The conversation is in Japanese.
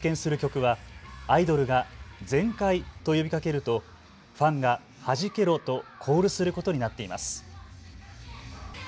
今回、実験する曲はアイドルが全開と呼びかけるとファンがはじけろとコールすることになっています。